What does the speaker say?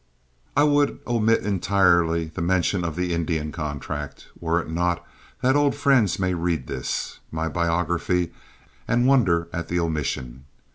I would omit entirely mention of the Indian contract, were it not that old friends may read this, my biography, and wonder at the omission.